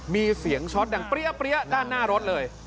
มีเสียงช็อตดังเปรี้ยด้านหน้ารถเลย